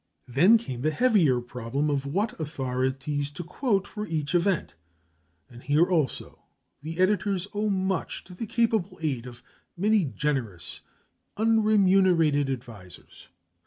Then came the heavier problem of what authorities to quote for each event. And here also the editors owe much to the capable aid of many generous, unremunerated advisers.